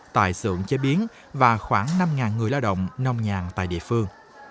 tại sưởng chế biến và khoảng năm người lao động nông nhàng tại địa phương